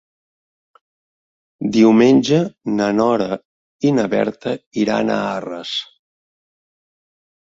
Diumenge na Nora i na Berta iran a Arres.